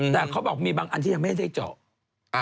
แต่เขาบอกมีบางอันที่ยังไม่ได้เจาะ